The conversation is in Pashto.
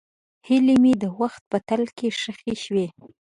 هیلې مې د وخت په تل کې ښخې شوې.